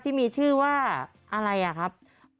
ที่มีชื่อว่าอะไรอ่ะครับ